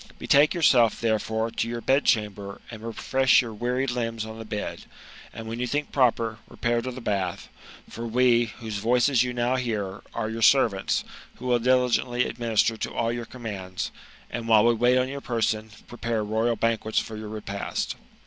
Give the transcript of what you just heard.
Betake yourself, therefore, to your bed chamber, and refresh your wearied limbs on the bed, and, when you think proper, repair to the bath ; for we, whose voices you now hear, are your servants, who will diligently administer to all your commands ; and, while we wait on your person, prepare royal banquets for your repast."